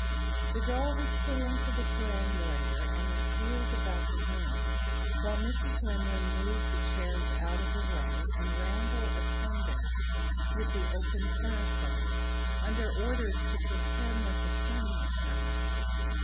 The doll was put into the perambulator, and was wheeled about the room, while Mrs. Linley moved the chairs out of the way, and Randal attended with the open parasol under orders to "pretend that the sun was shining."